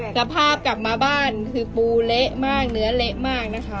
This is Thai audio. สภาพกลับมาบ้านคือปูเละมากเนื้อเละมากนะคะ